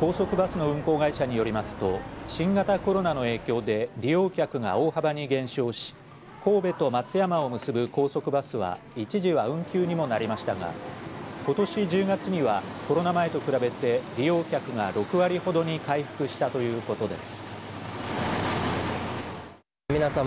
高速バスの運行会社によりますと新型コロナの影響で利用客が大幅に減少し神戸と松山を結ぶ高速バスは一時は運休にもなりましたがことし１０月にはコロナ前と比べて利用客が６割ほどに回復したということです。